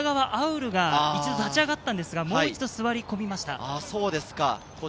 潤が立ち上がったんですが、もう一度座り込みました。